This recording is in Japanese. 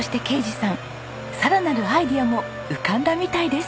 さらなるアイデアも浮かんだみたいです。